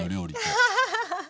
アハハハ！